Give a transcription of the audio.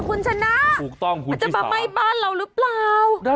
คุณชนะถูกต้องคุณจะมาไหม้บ้านเราหรือเปล่า